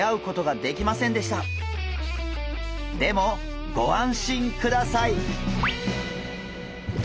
でもご安心ください！